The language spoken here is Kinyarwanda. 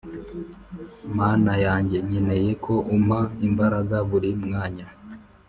Mana yanjye nkeneye ko umpa imbaraga buri mwanya